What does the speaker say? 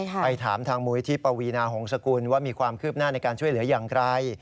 ไปถามทางมุยที่ปวีนาหงษกุลว่ามีความคืบหน้าในการช่วยเหลืออย่างไร